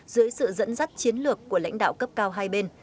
dưới sự dẫn dắt chiến lược của lãnh đạo cấp cao hai bên